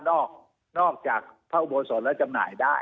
นอกจากพระอุโบสถแล้วจำหน่ายได้